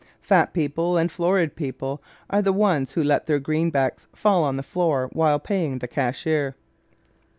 Fat people and florid people are the ones who let their greenbacks fall on the floor while paying the cashier!